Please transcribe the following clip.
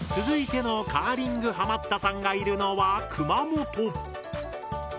続いてのカーリングハマったさんがいるのは熊本！